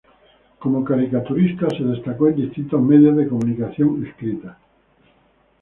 Como caricaturista, se destacó en distintos medios de comunicación escrita.